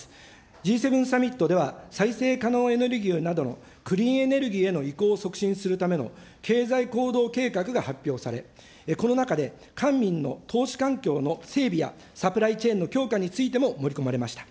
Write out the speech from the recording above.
Ｇ７サミットでは、再生可能エネルギーなどのクリーンエネルギーへの移行を促進するための、経済行動計画が発表され、この中で官民の投資環境の整備やサプライチェーンの強化についても盛り込まれました。